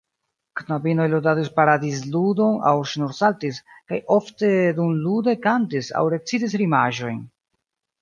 Knabinoj ludadis paradizludon aŭ ŝnursaltis, kaj ofte dumlude kantis aŭ recitis rimaĵojn.